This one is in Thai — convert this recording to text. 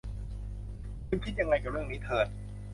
คุณคิดยังไงกับเรื่องนี้ เทิร์น